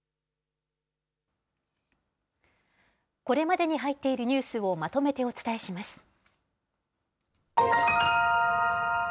これまでに入っているニュースをまとめてお伝えします。